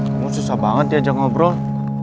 kamu susah banget diajak ngobrol